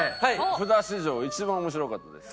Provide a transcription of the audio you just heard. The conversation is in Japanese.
札史上一番面白かったです。